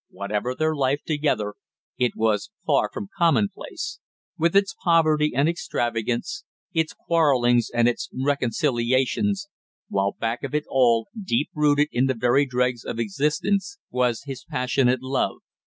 Whatever their life together, it was far from commonplace, with its poverty and extravagance, its quarrelings and its reconciliations, while back of it all, deep rooted in the very dregs of existence, was his passionate love.